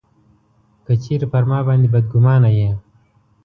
که چېرې پر ما باندي بدګومانه یې.